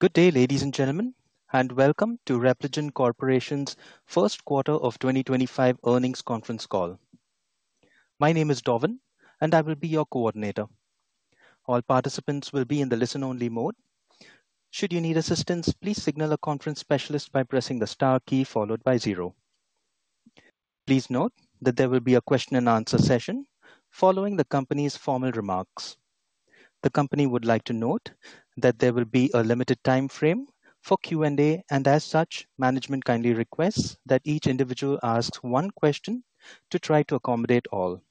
Good day, ladies and gentlemen, and welcome to Repligen Corporation's first quarter of 2025 earnings conference call. My name is Dovan, and I will be your coordinator. All participants will be in the listen-only mode. Should you need assistance, please signal a conference specialist by pressing the star key followed by zero. Please note that there will be a question-and-answer session following the company's formal remarks. The company would like to note that there will be a limited time frame for Q&A, and as such, management kindly requests that each individual ask one question to try to accommodate all.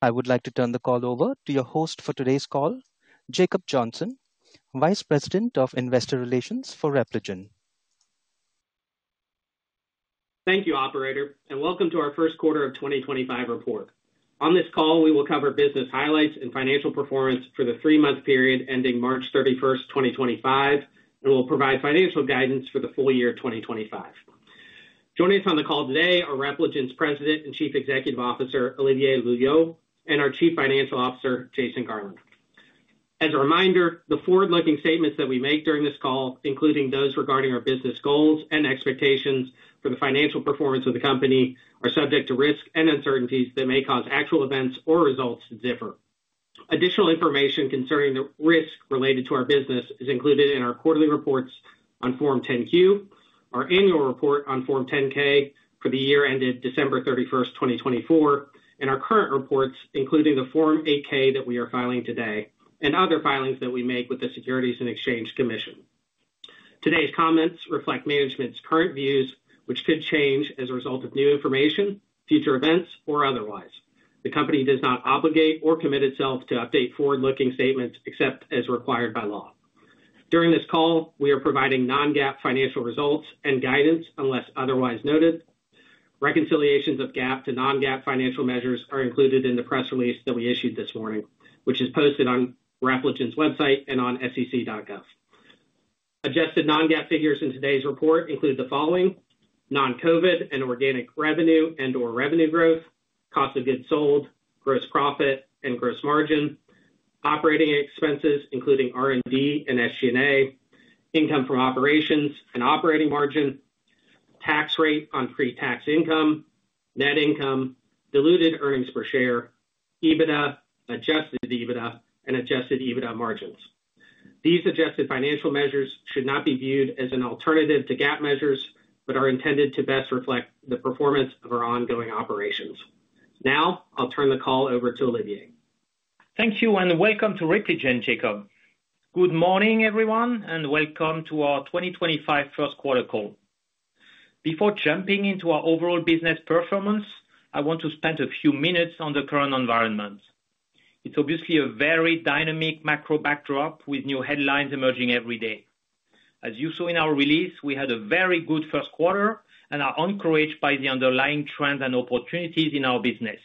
I would like to turn the call over to your host for today's call, Jacob Johnson, Vice President of Investor Relations for Repligen. Thank you, operator, and welcome to our first quarter of 2025 report. On this call, we will cover business highlights and financial performance for the three-month period ending March 31, 2025, and we'll provide financial guidance for the full year 2025. Joining us on the call today are Repligen's President and Chief Executive Officer, Olivier Loeillot, and our Chief Financial Officer, Jason Garland. As a reminder, the forward-looking statements that we make during this call, including those regarding our business goals and expectations for the financial performance of the company, are subject to risk and uncertainties that may cause actual events or results to differ. Additional information concerning the risk related to our business is included in our quarterly reports on Form 10-Q, our annual report on Form 10-K for the year ended December 31st, 2024, and our current reports, including the Form 8-K that we are filing today and other filings that we make with the Securities and Exchange Commission. Today's comments reflect management's current views, which could change as a result of new information, future events, or otherwise. The company does not obligate or commit itself to update forward-looking statements except as required by law. During this call, we are providing non-GAAP financial results and guidance unless otherwise noted. Reconciliations of GAAP to non-GAAP financial measures are included in the press release that we issued this morning, which is posted on Repligen's website and on sec.gov. Adjusted non-GAAP figures in today's report include the following: non-COVID and organic revenue and/or revenue growth, cost of goods sold, gross profit and gross margin, operating expenses including R&D and SG&A, income from operations and operating margin, tax rate on pre-tax income, net income, diluted earnings per share, EBITDA, adjusted EBITDA, and adjusted EBITDA margins. These adjusted financial measures should not be viewed as an alternative to GAAP measures but are intended to best reflect the performance of our ongoing operations. Now, I'll turn the call over to Olivier. Thank you and welcome to Repligen, Jacob. Good morning, everyone, and welcome to our 2025 first quarter call. Before jumping into our overall business performance, I want to spend a few minutes on the current environment. It's obviously a very dynamic macro backdrop with new headlines emerging every day. As you saw in our release, we had a very good first quarter and are encouraged by the underlying trends and opportunities in our business.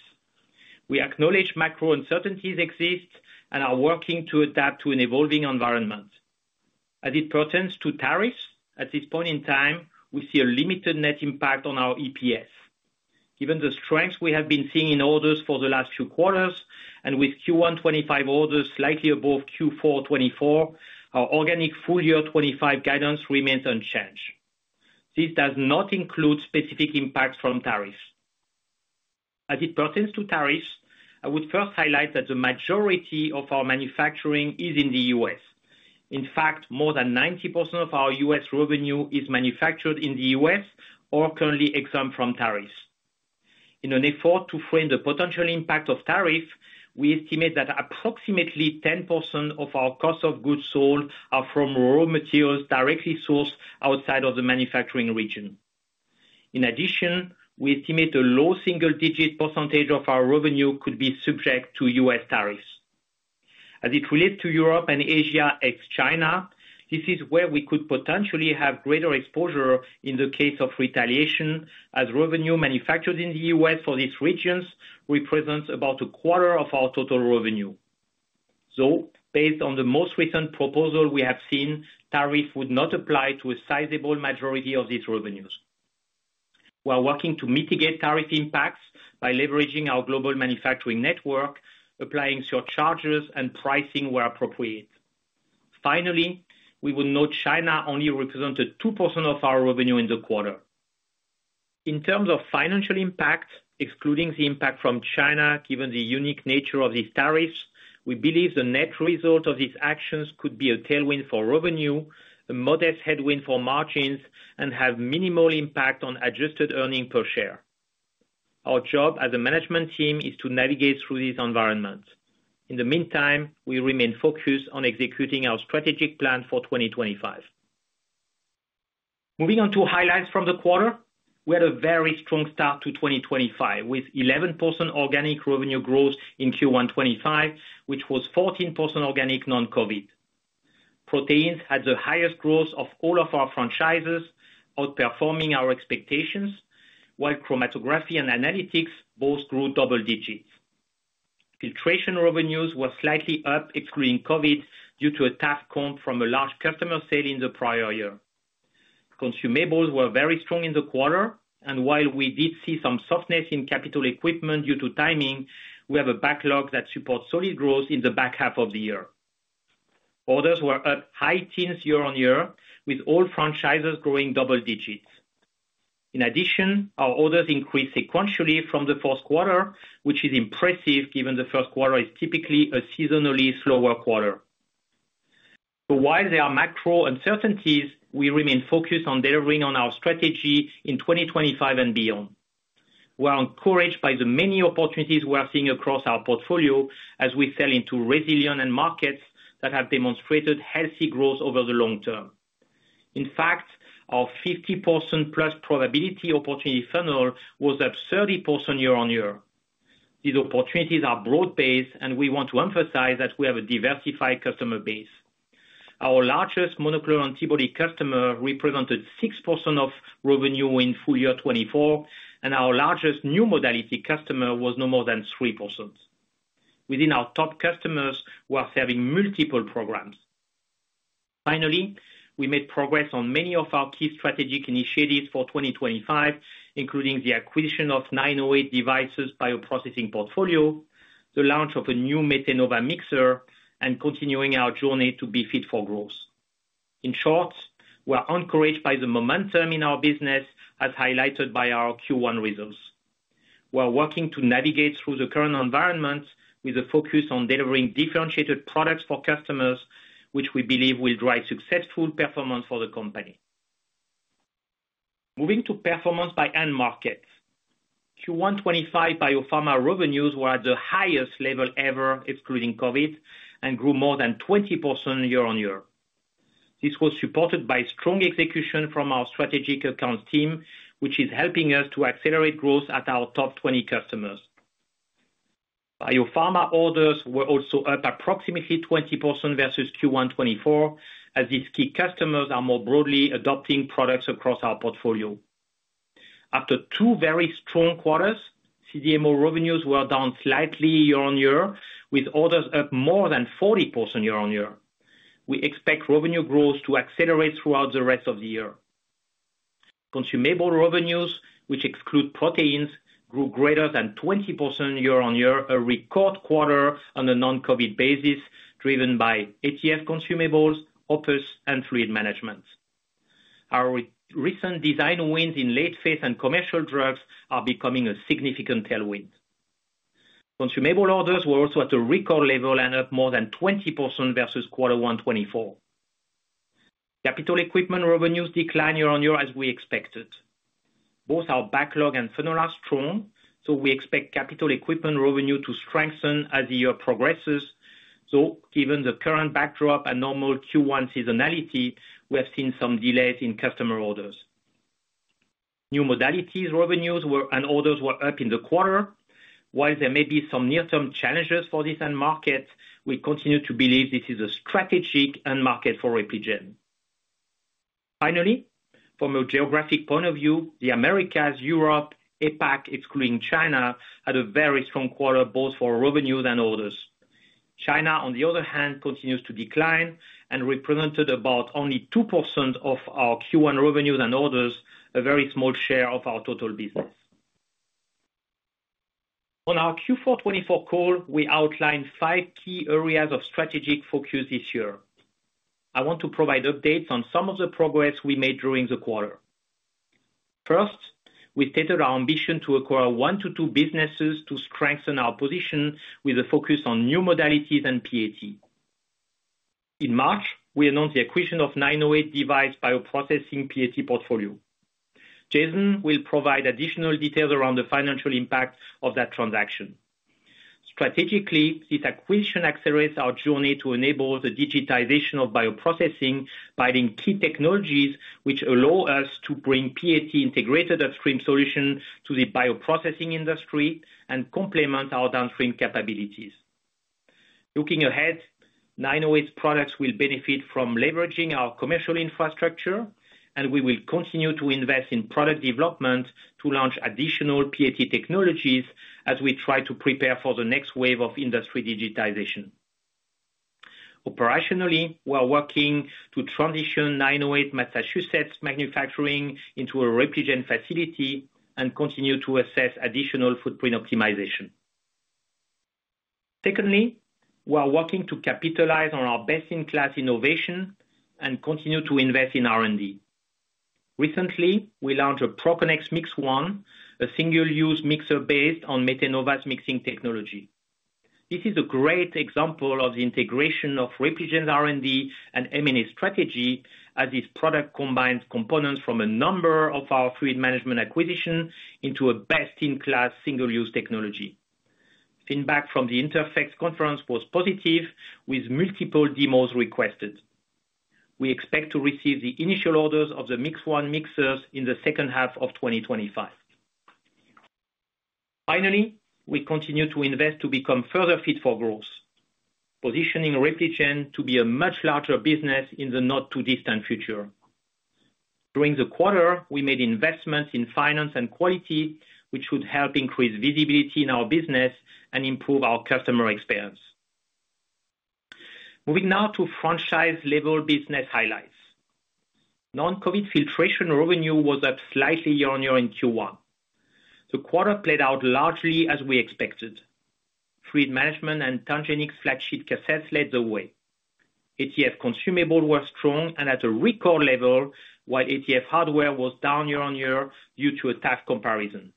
We acknowledge macro uncertainties exist and are working to adapt to an evolving environment. As it pertains to tariffs, at this point in time, we see a limited net impact on our EPS. Given the strength we have been seeing in orders for the last few quarters and with Q1 2025 orders slightly above Q4 2024, our organic full year 2025 guidance remains unchanged. This does not include specific impacts from tariffs. As it pertains to tariffs, I would first highlight that the majority of our manufacturing is in the U.S. In fact, more than 90% of our U.S. revenue is manufactured in the U.S. or currently exempt from tariffs. In an effort to frame the potential impact of tariffs, we estimate that approximately 10% of our cost of goods sold are from raw materials directly sourced outside of the manufacturing region. In addition, we estimate a low single-digit percentage of our revenue could be subject to U.S. tariffs. As it relates to Europe and Asia ex-China, this is where we could potentially have greater exposure in the case of retaliation, as revenue manufactured in the U.S. for these regions represents about a quarter of our total revenue. Based on the most recent proposal we have seen, tariffs would not apply to a sizable majority of these revenues. We are working to mitigate tariff impacts by leveraging our global manufacturing network, applying surcharges, and pricing where appropriate. Finally, we would note China only represented 2% of our revenue in the quarter. In terms of financial impact, excluding the impact from China given the unique nature of these tariffs, we believe the net result of these actions could be a tailwind for revenue, a modest headwind for margins, and have minimal impact on adjusted earnings per share. Our job as a management team is to navigate through these environments. In the meantime, we remain focused on executing our strategic plan for 2025. Moving on to highlights from the quarter, we had a very strong start to 2025 with 11% organic revenue growth in Q1 2025, which was 14% organic non-COVID. Proteins had the highest growth of all of our franchises, outperforming our expectations, while chromatography and analytics both grew double digits. Filtration revenues were slightly up, excluding COVID, due to a tough comp from a large customer sale in the prior year. Consumables were very strong in the quarter, and while we did see some softness in capital equipment due to timing, we have a backlog that supports solid growth in the back half of the year. Orders were up high teens year-on-year, with all franchises growing double digits. In addition, our orders increased sequentially from the first quarter, which is impressive given the first quarter is typically a seasonally slower quarter. While there are macro uncertainties, we remain focused on delivering on our strategy in 2025 and beyond. We are encouraged by the many opportunities we are seeing across our portfolio as we sell into resilient markets that have demonstrated healthy growth over the long term. In fact, our 50%+ probability opportunity funnel was up 30% year-on-year. These opportunities are broad-based, and we want to emphasize that we have a diversified customer base. Our largest monoclonal antibody customer represented 6% of revenue in full year 2024, and our largest new modality customer was no more than 3%. Within our top customers, we are serving multiple programs. Finally, we made progress on many of our key strategic initiatives for 2025, including the acquisition of 908 Devices bioprocessing portfolio, the launch of a new Metenova mixer, and continuing our journey to be fit for growth. In short, we are encouraged by the momentum in our business, as highlighted by our Q1 results. We are working to navigate through the current environment with a focus on delivering differentiated products for customers, which we believe will drive successful performance for the company. Moving to performance by end market, Q1 2025 biopharma revenues were at the highest level ever, excluding COVID, and grew more than 20% year-on-year. This was supported by strong execution from our strategic accounts team, which is helping us to accelerate growth at our top 20 customers. Biopharma orders were also up approximately 20% versus Q1 2024, as these key customers are more broadly adopting products across our portfolio. After two very strong quarters, CDMO revenues were down slightly year-on-year, with orders up more than 40% year-on-year. We expect revenue growth to accelerate throughout the rest of the year. Consumable revenues, which exclude proteins, grew greater than 20% year-on-year, a record quarter on a non-COVID basis, driven by ATF consumables, OPUS, and fluid management. Our recent design wins in late phase and commercial drugs are becoming a significant tailwind. Consumable orders were also at a record level and up more than 20% versus quarter 2024. Capital equipment revenues declined year-on-year, as we expected. Both our backlog and funnel are strong, so we expect capital equipment revenue to strengthen as the year progresses. Given the current backdrop and normal Q1 seasonality, we have seen some delays in customer orders. New modalities revenues and orders were up in the quarter. While there may be some near-term challenges for this end market, we continue to believe this is a strategic end market for Repligen. Finally, from a geographic point of view, the Americas, Europe, APAC, excluding China, had a very strong quarter both for revenues and orders. China, on the other hand, continues to decline and represented about only 2% of our Q1 revenues and orders, a very small share of our total business. On our Q4 2024 call, we outlined five key areas of strategic focus this year. I want to provide updates on some of the progress we made during the quarter. First, we stated our ambition to acquire one to two businesses to strengthen our position with a focus on new modalities and PAT. In March, we announced the acquisition of 908 Device bioprocessing PAT portfolio. Jason will provide additional details around the financial impact of that transaction. Strategically, this acquisition accelerates our journey to enable the digitization of bioprocessing by adding key technologies which allow us to bring PAT integrated upstream solutions to the bioprocessing industry and complement our downstream capabilities. Looking ahead, 908 products will benefit from leveraging our commercial infrastructure, and we will continue to invest in product development to launch additional PAT technologies as we try to prepare for the next wave of industry digitization. Operationally, we are working to transition 908 Massachusetts manufacturing into a Repligen facility and continue to assess additional footprint optimization. Secondly, we are working to capitalize on our best-in-class innovation and continue to invest in R&D. Recently, we launched a ProConnex MixOne, a single-use mixer based on Metenova's mixing technology. This is a great example of the integration of Repligen's R&D and M&A strategy, as this product combines components from a number of our fluid management acquisitions into a best-in-class single-use technology. Feedback from the INTERPHEX conference was positive, with multiple demos requested. We expect to receive the initial orders of the MixOne mixers in the second half of 2025. Finally, we continue to invest to become further fit for growth, positioning Repligen to be a much larger business in the not-too-distant future. During the quarter, we made investments in finance and quality, which should help increase visibility in our business and improve our customer experience. Moving now to franchise-level business highlights. Non-COVID filtration revenue was up slightly year-on-year in Q1. The quarter played out largely as we expected. Fluid management and TangenX flat sheet cassettes led the way. ATF consumables were strong and at a record level, while ATF hardware was down year-on-year due to a tough comparison.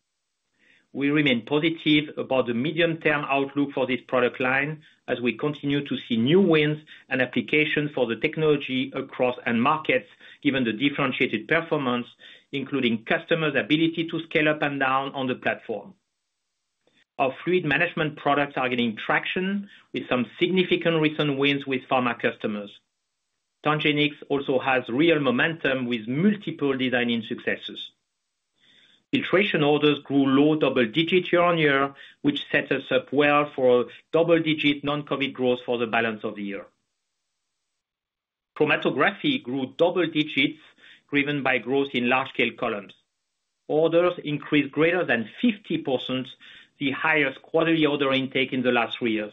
We remain positive about the medium-term outlook for this product line as we continue to see new wins and applications for the technology across end markets given the differentiated performance, including customers' ability to scale up and down on the platform. Our fluid management products are gaining traction with some significant recent wins with pharma customers. TangenX also has real momentum with multiple design successes. Filtration orders grew low double digits year-on-year, which sets us up well for double-digit non-COVID growth for the balance of the year. Chromatography grew double digits driven by growth in large-scale columns. Orders increased greater than 50%, the highest quarterly order intake in the last three years.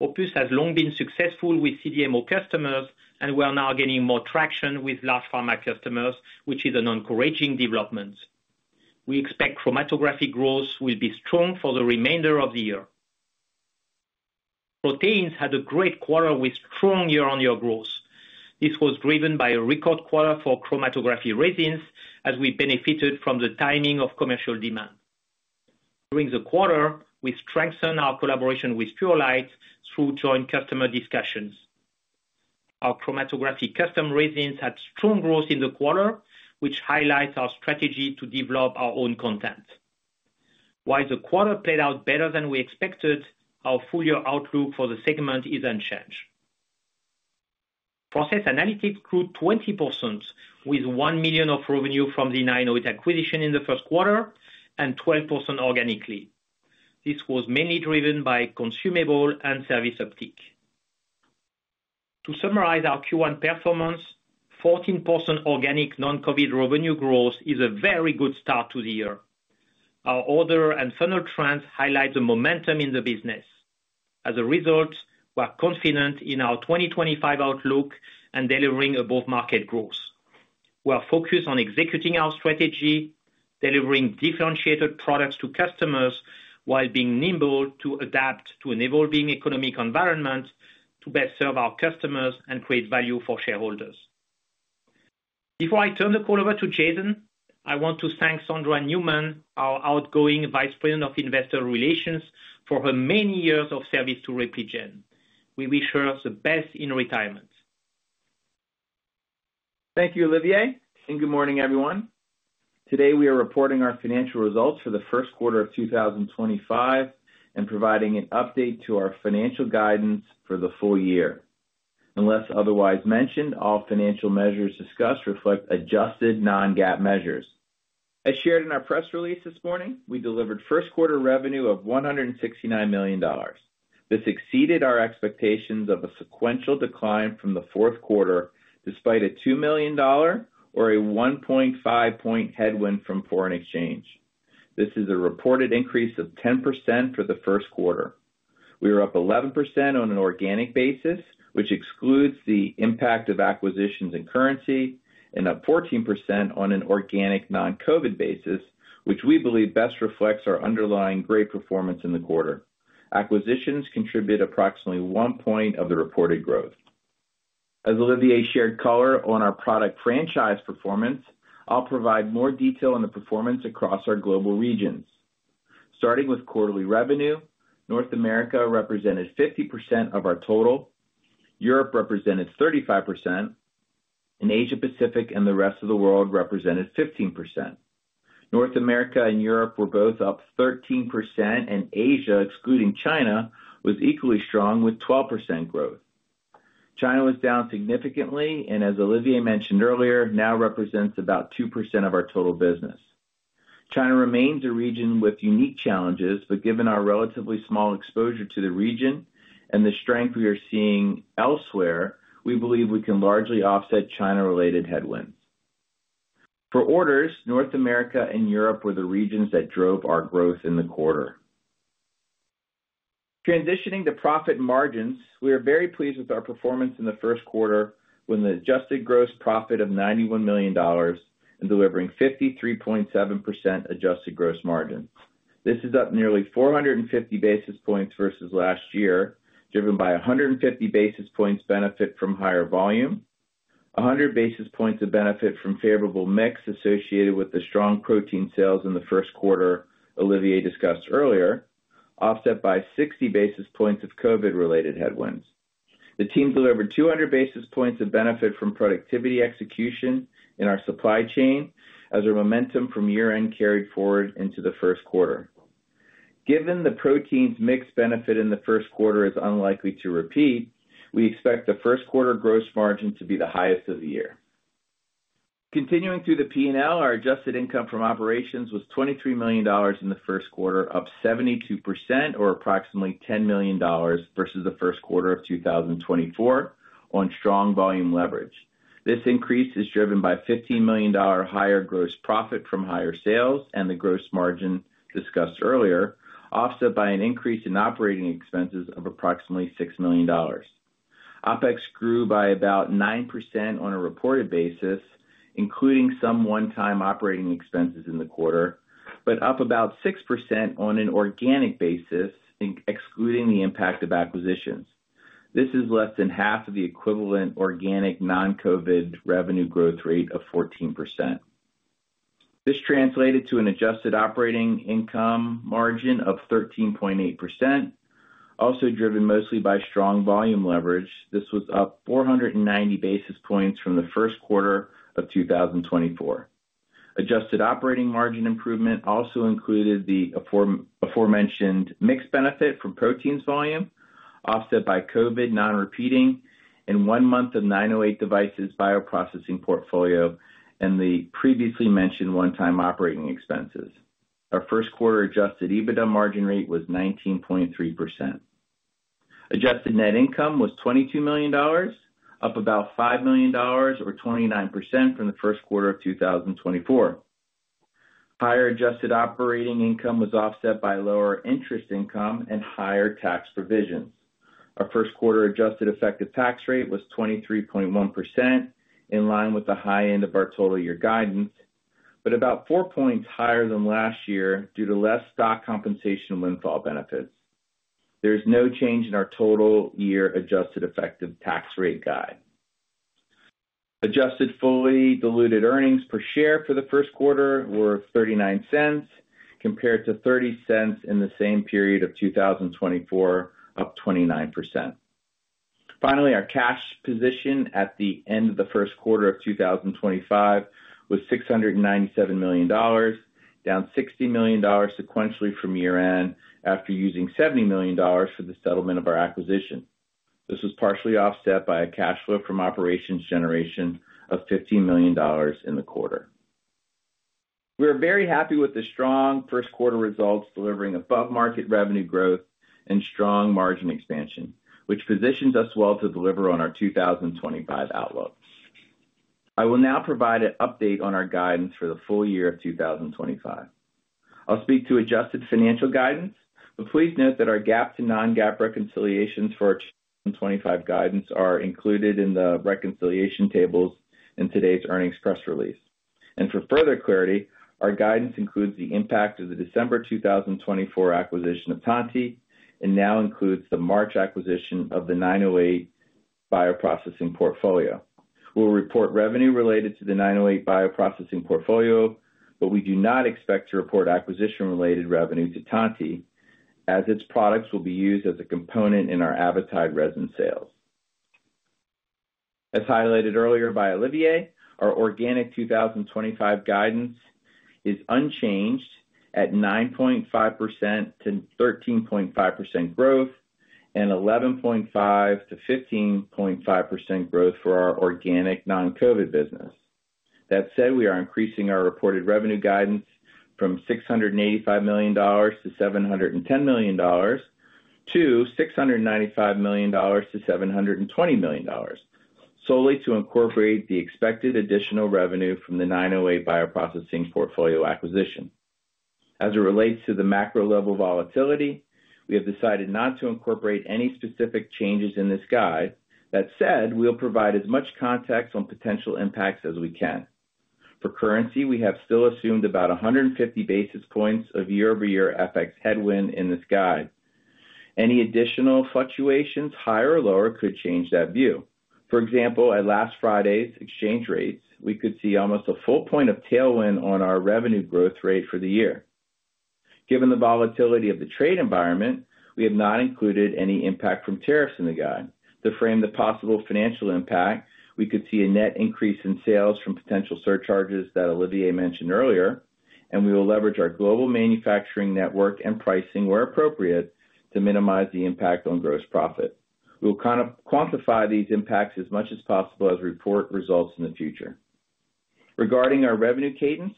OPUS has long been successful with CDMO customers and we are now gaining more traction with large pharma customers, which is an encouraging development. We expect chromatography growth will be strong for the remainder of the year. Proteins had a great quarter with strong year-on-year growth. This was driven by a record quarter for chromatography resins, as we benefited from the timing of commercial demand. During the quarter, we strengthened our collaboration with Purolite through joint customer discussions. Our chromatography custom resins had strong growth in the quarter, which highlights our strategy to develop our own content. While the quarter played out better than we expected, our full year outlook for the segment is unchanged. Process analytics grew 20%, with $1 million of revenue from the 908 acquisition in the first quarter and 12% organically. This was mainly driven by consumable and service uptake. To summarize our Q1 performance, 14% organic non-COVID revenue growth is a very good start to the year. Our order and funnel trends highlight the momentum in the business. As a result, we are confident in our 2025 outlook and delivering above-market growth. We are focused on executing our strategy, delivering differentiated products to customers while being nimble to adapt to an evolving economic environment to best serve our customers and create value for shareholders. Before I turn the call over to Jason, I want to thank Sondra Newman, our outgoing Vice President of Investor Relations, for her many years of service to Repligen. We wish her the best in retirement. Thank you, Olivier, and good morning, everyone. Today, we are reporting our financial results for the first quarter of 2025 and providing an update to our financial guidance for the full year. Unless otherwise mentioned, all financial measures discussed reflect adjusted non-GAAP measures. As shared in our press release this morning, we delivered first quarter revenue of $169 million. This exceeded our expectations of a sequential decline from the fourth quarter, despite a $2 million or a 1.5 point headwind from foreign exchange. This is a reported increase of 10% for the first quarter. We are up 11% on an organic basis, which excludes the impact of acquisitions and currency, and up 14% on an organic non-COVID basis, which we believe best reflects our underlying great performance in the quarter. Acquisitions contribute approximately one point of the reported growth. As Olivier shared color on our product franchise performance, I'll provide more detail on the performance across our global regions. Starting with quarterly revenue, North America represented 50% of our total, Europe represented 35%, and Asia-Pacific and the rest of the world represented 15%. North America and Europe were both up 13%, and Asia, excluding China, was equally strong with 12% growth. China was down significantly and, as Olivier mentioned earlier, now represents about 2% of our total business. China remains a region with unique challenges, but given our relatively small exposure to the region and the strength we are seeing elsewhere, we believe we can largely offset China-related headwinds. For orders, North America and Europe were the regions that drove our growth in the quarter. Transitioning to profit margins, we are very pleased with our performance in the first quarter with an adjusted gross profit of $91 million and delivering 53.7% adjusted gross margin. This is up nearly 450 basis points versus last year, driven by 150 basis points benefit from higher volume, 100 basis points of benefit from favorable mix associated with the strong protein sales in the first quarter, Olivier discussed earlier, offset by 60 basis points of COVID-related headwinds. The team delivered 200 basis points of benefit from productivity execution in our supply chain as our momentum from year-end carried forward into the first quarter. Given the proteins mix benefit in the first quarter is unlikely to repeat, we expect the first quarter gross margin to be the highest of the year. Continuing through the P&L, our adjusted income from operations was $23 million in the first quarter, up 72%, or approximately $10 million versus the first quarter of 2024, on strong volume leverage. This increase is driven by $15 million higher gross profit from higher sales and the gross margin discussed earlier, offset by an increase in operating expenses of approximately $6 million. OpEx grew by about 9% on a reported basis, including some one-time operating expenses in the quarter, but up about 6% on an organic basis, excluding the impact of acquisitions. This is less than half of the equivalent organic non-COVID revenue growth rate of 14%. This translated to an adjusted operating income margin of 13.8%, also driven mostly by strong volume leverage. This was up 490 basis points from the first quarter of 2024. Adjusted operating margin improvement also included the aforementioned mix benefit from proteins volume, offset by COVID non-repeating and one month of 908 Devices bioprocessing portfolio and the previously mentioned one-time operating expenses. Our first quarter adjusted EBITDA margin rate was 19.3%. Adjusted net income was $22 million, up about $5 million, or 29% from the first quarter of 2024. Higher adjusted operating income was offset by lower interest income and higher tax provisions. Our first quarter adjusted effective tax rate was 23.1%, in line with the high end of our total year guidance, but about four points higher than last year due to less stock compensation windfall benefits. There is no change in our total year adjusted effective tax rate guide. Adjusted fully diluted earnings per share for the first quarter were $0.39, compared to $0.30 in the same period of 2024, up 29%. Finally, our cash position at the end of the first quarter of 2025 was $697 million, down $60 million sequentially from year-end after using $70 million for the settlement of our acquisition. This was partially offset by a cash flow from operations generation of $15 million in the quarter. We are very happy with the strong first quarter results, delivering above-market revenue growth and strong margin expansion, which positions us well to deliver on our 2025 outlook. I will now provide an update on our guidance for the full year of 2025. I'll speak to adjusted financial guidance, but please note that our GAAP to non-GAAP reconciliations for our 2025 guidance are included in the reconciliation tables in today's earnings press release. For further clarity, our guidance includes the impact of the December 2024 acquisition of Tantti and now includes the March acquisition of the 908 bioprocessing portfolio. We'll report revenue related to the 908 bioprocessing portfolio, but we do not expect to report acquisition-related revenue to Tantti as its products will be used as a component in our Avitide resin sales. As highlighted earlier by Olivier, our organic 2025 guidance is unchanged at 9.5%-13.5% growth and 11.5%-15.5% growth for our organic non-COVID business. That said, we are increasing our reported revenue guidance from $685 million-$710 million to $695 million-$720 million, solely to incorporate the expected additional revenue from the 908 bioprocessing portfolio acquisition. As it relates to the macro-level volatility, we have decided not to incorporate any specific changes in this guide. That said, we'll provide as much context on potential impacts as we can. For currency, we have still assumed about 150 basis points of year-over-year FX headwind in this guide. Any additional fluctuations higher or lower could change that view. For example, at last Friday's exchange rates, we could see almost a full point of tailwind on our revenue growth rate for the year. Given the volatility of the trade environment, we have not included any impact from tariffs in the guide. To frame the possible financial impact, we could see a net increase in sales from potential surcharges that Olivier mentioned earlier, and we will leverage our global manufacturing network and pricing where appropriate to minimize the impact on gross profit. We will quantify these impacts as much as possible as we report results in the future. Regarding our revenue cadence,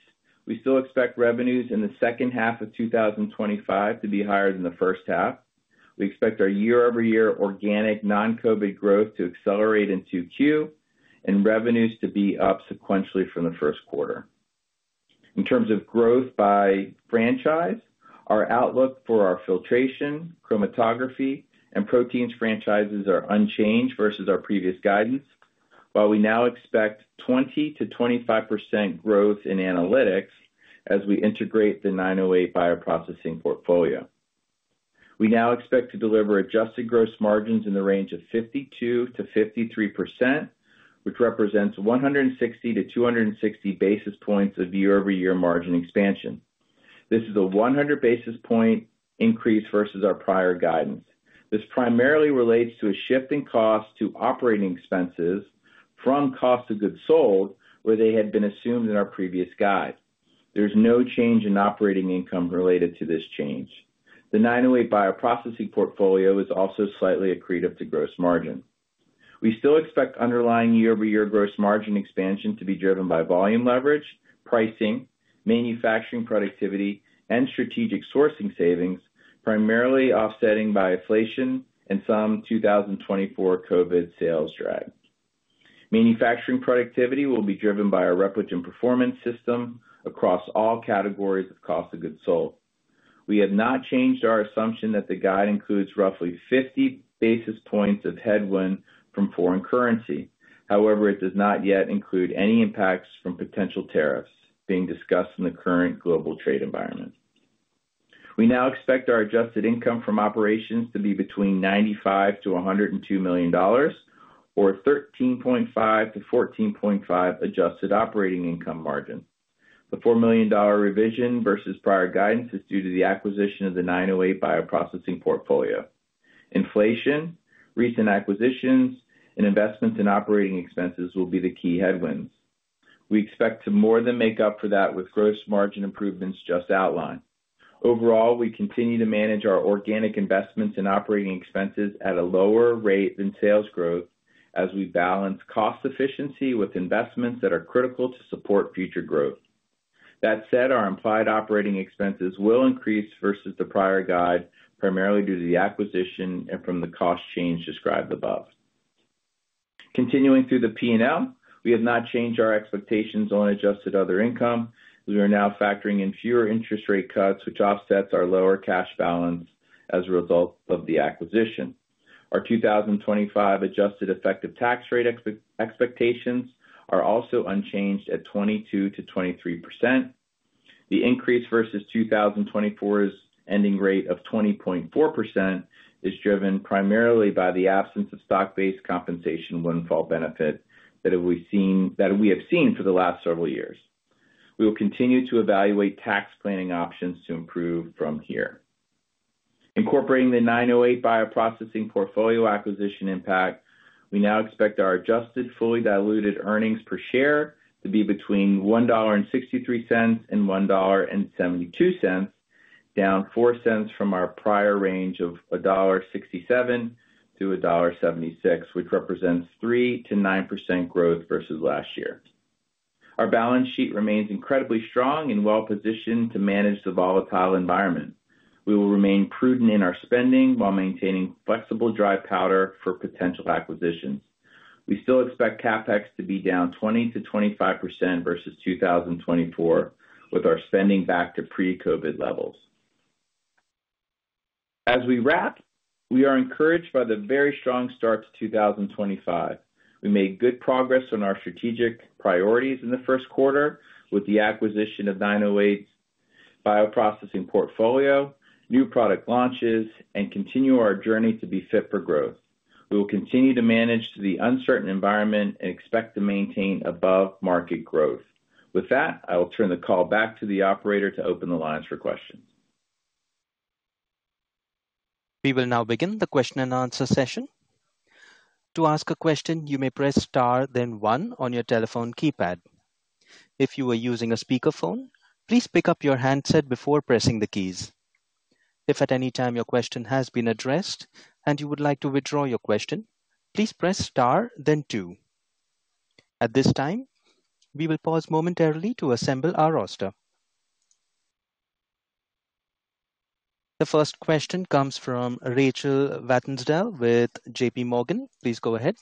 we still expect revenues in the second half of 2025 to be higher than the first half. We expect our year-over-year organic non-COVID growth to accelerate into Q and revenues to be up sequentially from the first quarter. In terms of growth by franchise, our outlook for our filtration, chromatography, and proteins franchises are unchanged versus our previous guidance, while we now expect 20%-25% growth in analytics as we integrate the 908 bioprocessing portfolio. We now expect to deliver adjusted gross margins in the range of 52%-53%, which represents 160-260 basis points of year-over-year margin expansion. This is a 100 basis point increase versus our prior guidance. This primarily relates to a shift in cost to operating expenses from cost to goods sold, where they had been assumed in our previous guide. There is no change in operating income related to this change. The 908 bioprocessing portfolio is also slightly accretive to gross margin. We still expect underlying year-over-year gross margin expansion to be driven by volume leverage, pricing, manufacturing productivity, and strategic sourcing savings, primarily offsetting by inflation and some 2024 COVID sales drive. Manufacturing productivity will be driven by our Repligen performance system across all categories of cost to goods sold. We have not changed our assumption that the guide includes roughly 50 basis points of headwind from foreign currency. However, it does not yet include any impacts from potential tariffs being discussed in the current global trade environment. We now expect our adjusted income from operations to be between $95 million-$102 million, or 13.5%-14.5% adjusted operating income margin. The $4 million revision versus prior guidance is due to the acquisition of the 908 bioprocessing portfolio. Inflation, recent acquisitions, and investments in operating expenses will be the key headwinds. We expect to more than make up for that with gross margin improvements just outlined. Overall, we continue to manage our organic investments in operating expenses at a lower rate than sales growth as we balance cost efficiency with investments that are critical to support future growth. That said, our implied operating expenses will increase versus the prior guide, primarily due to the acquisition and from the cost change described above. Continuing through the P&L, we have not changed our expectations on adjusted other income. We are now factoring in fewer interest rate cuts, which offsets our lower cash balance as a result of the acquisition. Our 2025 adjusted effective tax rate expectations are also unchanged at 22%-23%. The increase versus 2024's ending rate of 20.4% is driven primarily by the absence of stock-based compensation windfall benefit that we have seen for the last several years. We will continue to evaluate tax planning options to improve from here. Incorporating the 908 bioprocessing portfolio acquisition impact, we now expect our adjusted fully diluted earnings per share to be between $1.63-$1.72, down $0.04 from our prior range of $1.67-$1.76, which represents 3%-9% growth versus last year. Our balance sheet remains incredibly strong and well-positioned to manage the volatile environment. We will remain prudent in our spending while maintaining flexible dry powder for potential acquisitions. We still expect CapEx to be down 20%-25% versus 2024, with our spending back to pre-COVID levels. As we wrap, we are encouraged by the very strong start to 2025. We made good progress on our strategic priorities in the first quarter with the acquisition of 908's bioprocessing portfolio, new product launches, and continue our journey to be fit for growth. We will continue to manage the uncertain environment and expect to maintain above-market growth. With that, I will turn the call back to the operator to open the lines for questions. We will now begin the question and answer session. To ask a question, you may press Star, then 1 on your telephone keypad. If you are using a speakerphone, please pick up your handset before pressing the keys. If at any time your question has been addressed and you would like to withdraw your question, please press Star, then 2. At this time, we will pause momentarily to assemble our roster. The first question comes from Rachel Vatnsdal with JPMorgan. Please go ahead.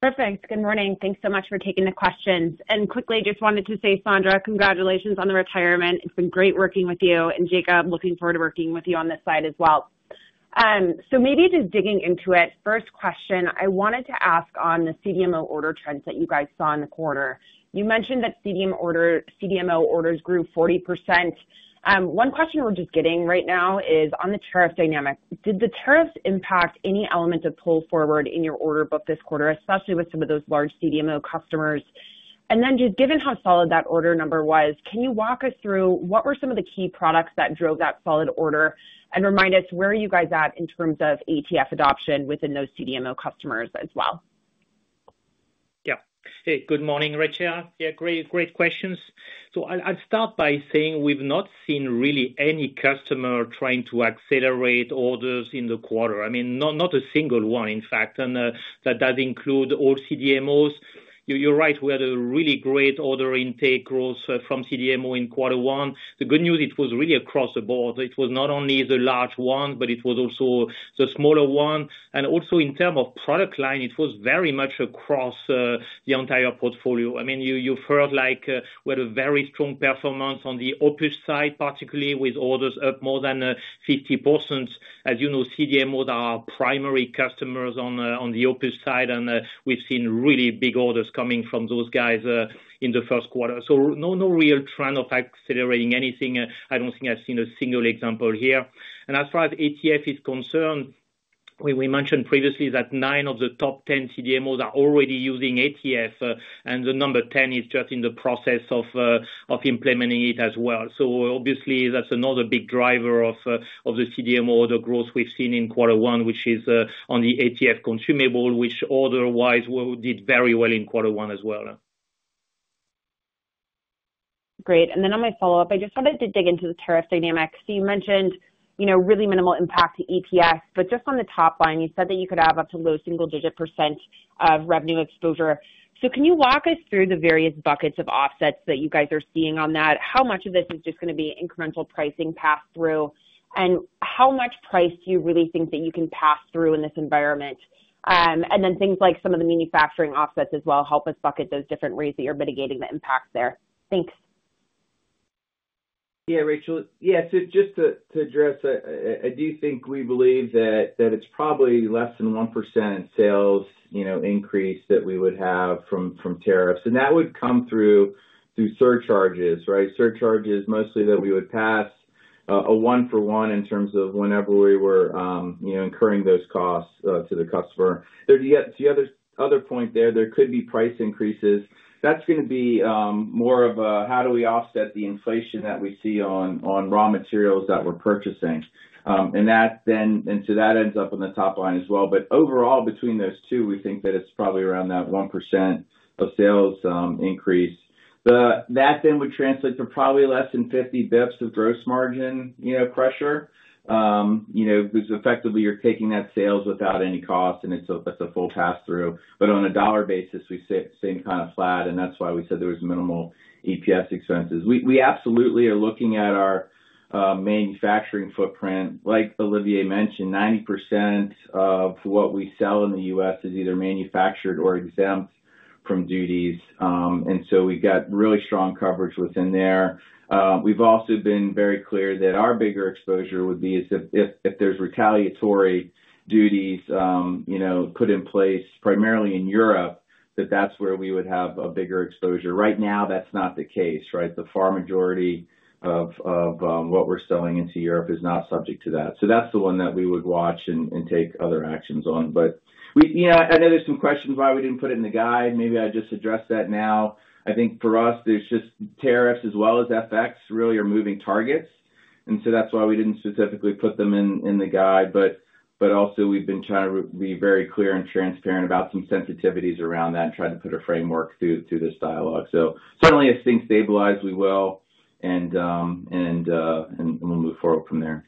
Perfect. Good morning. Thanks so much for taking the questions. Quickly, I just wanted to say, Sondra, congratulations on the retirement. It's been great working with you. Jacob, looking forward to working with you on this side as well. Maybe just digging into it, first question, I wanted to ask on the CDMO order trends that you guys saw in the quarter. You mentioned that CDMO orders grew 40%. One question we're just getting right now is on the tariff dynamic. Did the tariffs impact any element of pull forward in your order book this quarter, especially with some of those large CDMO customers? Just given how solid that order number was, can you walk us through what were some of the key products that drove that solid order and remind us where you guys are in terms of ATF adoption within those CDMO customers as well? Yeah. Hey, good morning, Rachel. Great questions. I'll start by saying we've not seen really any customer trying to accelerate orders in the quarter. I mean, not a single one, in fact, and that does include all CDMOs. You're right. We had a really great order intake growth from CDMO in quarter one. The good news, it was really across the board. It was not only the large one, but it was also the smaller one. Also in terms of product line, it was very much across the entire portfolio. I mean, you've heard like we had a very strong performance on the OPUS side, particularly with orders up more than 50%. As you know, CDMOs are our primary customers on the OPUS side, and we've seen really big orders coming from those guys in the first quarter. No real trend of accelerating anything. I don't think I've seen a single example here. As far as ATF is concerned, we mentioned previously that nine of the top 10 CDMOs are already using ATF, and the number 10 is just in the process of implementing it as well. Obviously, that's another big driver of the CDMO order growth we've seen in quarter one, which is on the ATF consumable, which otherwise did very well in quarter one as well. Great. On my follow-up, I just wanted to dig into the tariff dynamic. You mentioned really minimal impact to ETFs, but just on the top line, you said that you could have up to low single-digit % of revenue exposure. Can you walk us through the various buckets of offsets that you guys are seeing on that? How much of this is just going to be incremental pricing passed through, and how much price do you really think that you can pass through in this environment? Things like some of the manufacturing offsets as well help us bucket those different ways that you're mitigating the impact there. Thanks. Yeah, Rachel. Yeah. Just to address, I do think we believe that it's probably less than 1% sales increase that we would have from tariffs. That would come through surcharges, right? Surcharges mostly that we would pass a one-for-one in terms of whenever we were incurring those costs to the customer. The other point there, there could be price increases. That's going to be more of a, how do we offset the inflation that we see on raw materials that we're purchasing? That ends up on the top line as well. Overall, between those two, we think that it's probably around that 1% of sales increase. That then would translate to probably less than 50 basis points of gross margin pressure because effectively you're taking that sales without any cost, and it's a full pass-through. On a dollar basis, we stay kind of flat, and that's why we said there was minimal EPS expenses. We absolutely are looking at our manufacturing footprint. Like Olivier mentioned, 90% of what we sell in the US is either manufactured or exempt from duties. We have really strong coverage within there. We have also been very clear that our bigger exposure would be if there are retaliatory duties put in place primarily in Europe, that that's where we would have a bigger exposure. Right now, that's not the case, right? The far majority of what we're selling into Europe is not subject to that. That's the one that we would watch and take other actions on. I know there's some questions why we didn't put it in the guide. Maybe I just address that now. I think for us, there's just tariffs as well as FX really are moving targets. That's why we didn't specifically put them in the guide. Also, we've been trying to be very clear and transparent about some sensitivities around that and try to put a framework through this dialogue. Certainly as things stabilize, we will, and we'll move forward from there.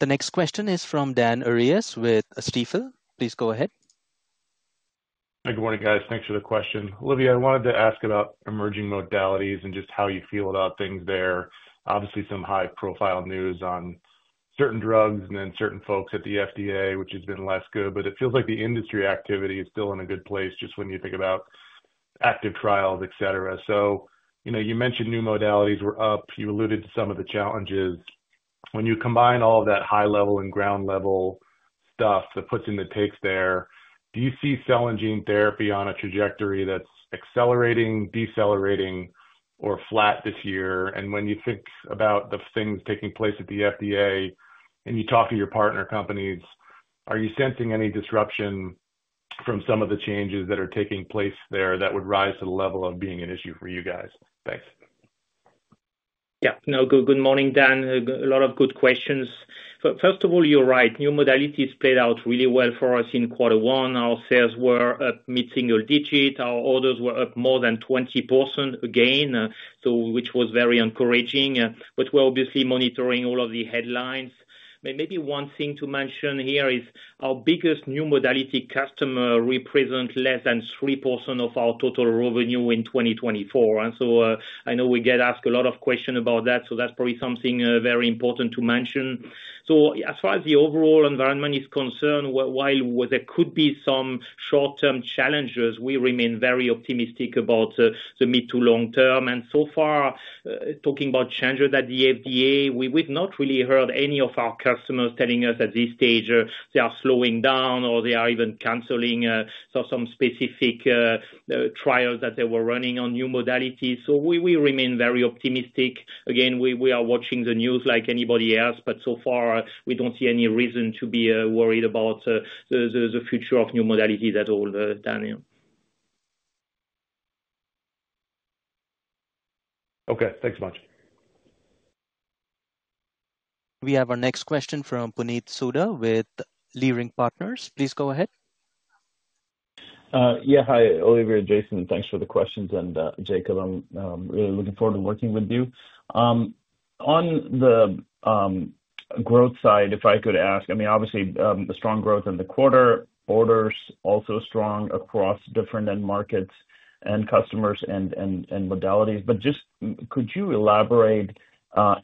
The next question is from Dan Arias with Stifel. Please go ahead. Hey, good morning, guys. Thanks for the question. Olivier, I wanted to ask about emerging modalities and just how you feel about things there. Obviously, some high-profile news on certain drugs and then certain folks at the FDA, which has been less good, but it feels like the industry activity is still in a good place just when you think about active trials, etc. You mentioned new modalities were up. You alluded to some of the challenges. When you combine all of that high-level and ground-level stuff that puts in the takes there, do you see cell and gene therapy on a trajectory that's accelerating, decelerating, or flat this year? When you think about the things taking place at the FDA and you talk to your partner companies, are you sensing any disruption from some of the changes that are taking place there that would rise to the level of being an issue for you guys? Thanks. Yeah. No, good morning, Dan. A lot of good questions. First of all, you're right. New modalities played out really well for us in quarter one. Our sales were up mid-single digit. Our orders were up more than 20% again, which was very encouraging. We are obviously monitoring all of the headlines. Maybe one thing to mention here is our biggest new modality customer represents less than 3% of our total revenue in 2024. I know we get asked a lot of questions about that, so that's probably something very important to mention. As far as the overall environment is concerned, while there could be some short-term challenges, we remain very optimistic about the mid to long term. So far, talking about changes at the FDA, we've not really heard any of our customers telling us at this stage they are slowing down or they are even canceling some specific trials that they were running on new modalities. We remain very optimistic. Again, we are watching the news like anybody else, but so far, we do not see any reason to be worried about the future of new modalities at all, Daniel. Okay. Thanks so much. We have our next question from Puneet Souda with Leerink Partners. Please go ahead. Yeah. Hi, Olivier and Jason. Thanks for the questions. And Jacob, I am really looking forward to working with you. On the growth side, if I could ask, I mean, obviously, the strong growth in the quarter, orders also strong across different end markets and customers and modalities. Could you elaborate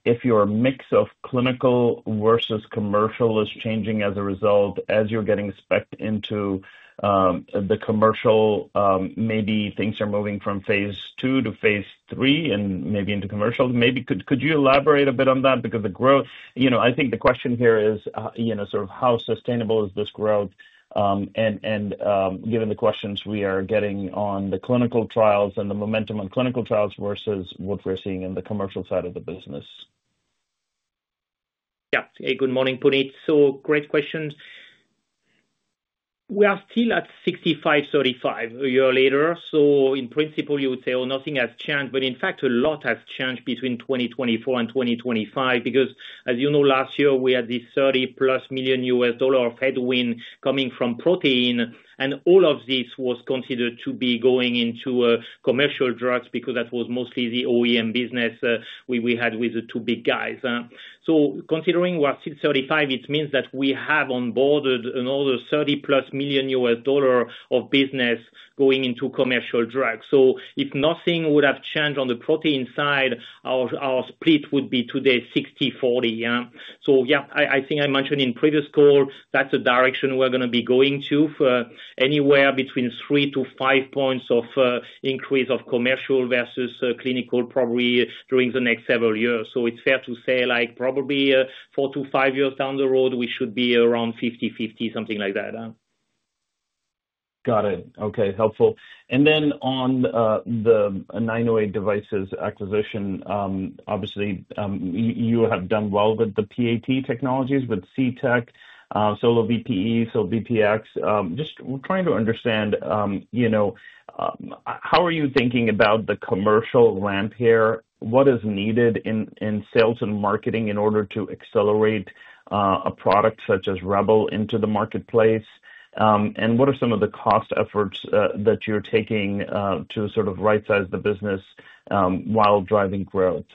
if your mix of clinical versus commercial is changing as a result as you are getting specced into the commercial? Maybe things are moving from phase two to phase three and maybe into commercial. Could you elaborate a bit on that? Because the growth, I think the question here is sort of how sustainable is this growth? And given the questions we are getting on the clinical trials and the momentum on clinical trials versus what we're seeing in the commercial side of the business. Yeah. Hey, good morning, Puneet. So great questions. We are still at 65-35 a year later. In principle, you would say, "Oh, nothing has changed." In fact, a lot has changed between 2024 and 2025 because, as you know, last year, we had this $30 million-plus headwind coming from protein. All of this was considered to be going into commercial drugs because that was mostly the OEM business we had with the two big guys. Considering we're still 35, it means that we have onboarded another $30 million-plus of business going into commercial drugs. If nothing would have changed on the protein side, our split would be today 60-40. I think I mentioned in previous call, that's the direction we're going to be going to for anywhere between three to five points of increase of commercial versus clinical probably during the next several years. It's fair to say probably four to five years down the road, we should be around 50-50, something like that. Got it. Okay. Helpful. On the 908 Devices acquisition, obviously, you have done well with the PAT technologies, with CTech, Solo VPE, Solo VPX. Just trying to understand, how are you thinking about the commercial ramp here? What is needed in sales and marketing in order to accelerate a product such as Rebel into the marketplace? What are some of the cost efforts that you're taking to sort of right-size the business while driving growth?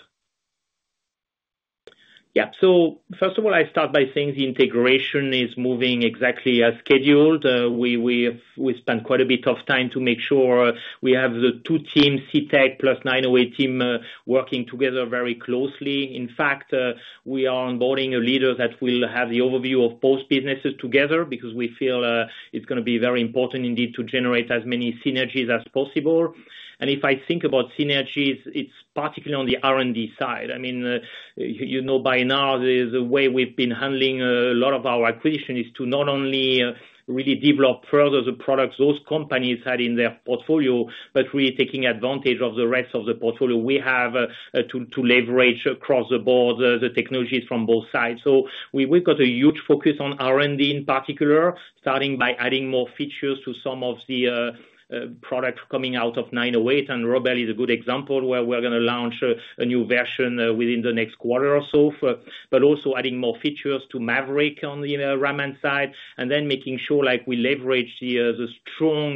Yeah. First of all, I start by saying the integration is moving exactly as scheduled. We spent quite a bit of time to make sure we have the two teams, CTech plus 908 team, working together very closely. In fact, we are onboarding a leader that will have the overview of both businesses together because we feel it's going to be very important indeed to generate as many synergies as possible. If I think about synergies, it's particularly on the R&D side. I mean, by now, the way we've been handling a lot of our acquisition is to not only really develop further the products those companies had in their portfolio, but really taking advantage of the rest of the portfolio we have to leverage across the board, the technologies from both sides. We've got a huge focus on R&D in particular, starting by adding more features to some of the products coming out of 908. Rebel is a good example where we're going to launch a new version within the next quarter or so, but also adding more features to Maverick on the Raman side, and then making sure we leverage the strong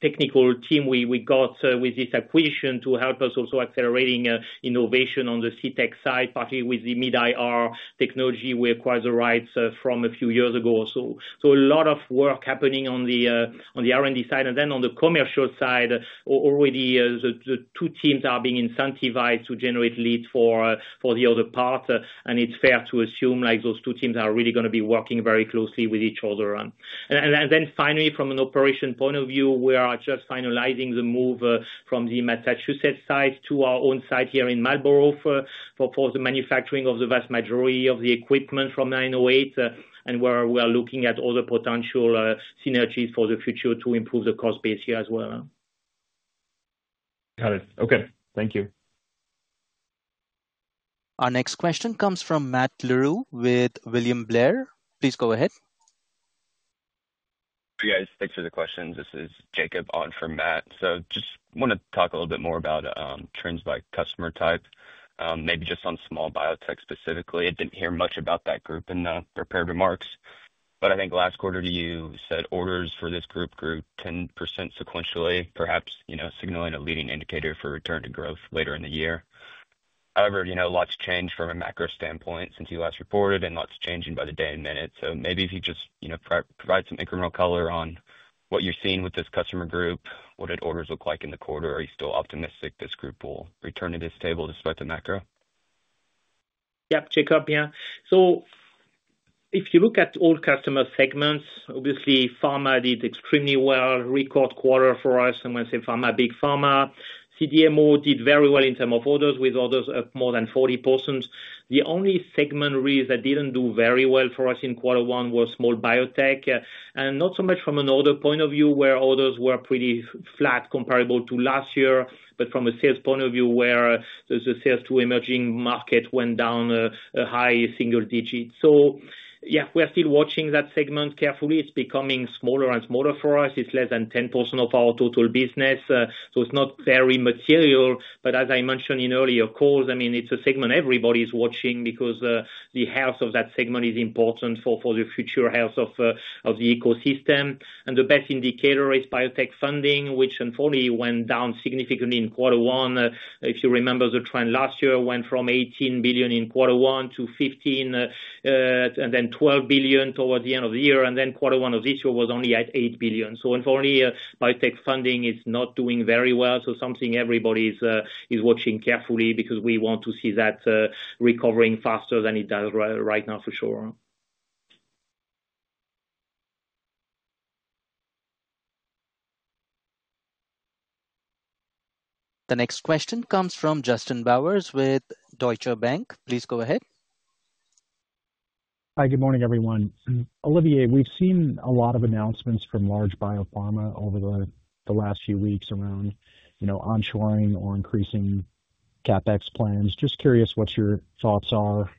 technical team we got with this acquisition to help us also accelerating innovation on the CTech side, particularly with the mid-IR technology we acquired the rights from a few years ago or so. A lot of work happening on the R&D side. Then on the commercial side, already the two teams are being incentivized to generate leads for the other part. It's fair to assume those two teams are really going to be working very closely with each other. Finally, from an operation point of view, we are just finalizing the move from the Massachusetts site to our own site here in Marlborough for the manufacturing of the vast majority of the equipment from 908, and we are looking at all the potential synergies for the future to improve the cost base here as well. Got it. Okay. Thank you. Our next question comes from Matt Larew with William Blair. Please go ahead. Hey, guys. Thanks for the questions. This is Jacob on for Matt. I just want to talk a little bit more about trends by customer type, maybe just on small biotech specifically. I did not hear much about that group in the prepared remarks. I think last quarter, you said orders for this group grew 10% sequentially, perhaps signaling a leading indicator for return to growth later in the year. However, lots changed from a macro standpoint since you last reported, and lots changing by the day and minute. Maybe if you could just provide some incremental color on what you are seeing with this customer group, what did orders look like in the quarter? Are you still optimistic this group will return to this table despite the macro? Yep. Jacob, yeah. If you look at all customer segments, obviously, Pharma did extremely well, record quarter for us. I am going to say Pharma, big Pharma. CDMO did very well in terms of orders, with orders up more than 40%. The only segment really that did not do very well for us in quarter one was small biotech. And not so much from an order point of view, where orders were pretty flat comparable to last year, but from a sales point of view, where the sales to emerging market went down a high single digit. Yeah, we are still watching that segment carefully. It is becoming smaller and smaller for us. It is less than 10% of our total business. It is not very material. As I mentioned in earlier calls, I mean, it is a segment everybody is watching because the health of that segment is important for the future health of the ecosystem. The best indicator is biotech funding, which unfortunately went down significantly in quarter one. If you remember the trend last year, it went from $18 billion in quarter one to $15 billion and then $12 billion towards the end of the year. Quarter one of this year was only at $8 billion. Unfortunately, biotech funding is not doing very well. That is something everybody's watching carefully because we want to see that recovering faster than it does right now for sure. The next question comes from Justin Bowers with Deutsche Bank. Please go ahead. Hi, good morning, everyone. Olivier, we've seen a lot of announcements from large biopharma over the last few weeks around onshoring or increasing CapEx plans. Just curious what your thoughts are